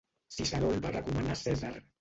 Ciceró el va recomanar a Cèsar.